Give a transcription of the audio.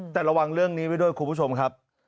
แต่ระวังเรื่องนี้ไว้ด้วยคุณผู้ชมครับ